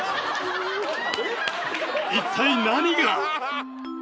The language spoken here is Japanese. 一体何が？